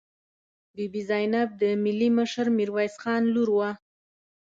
بي بي زینب د ملي مشر میرویس خان لور وه.